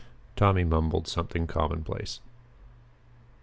Tommy mumbled some commonplace.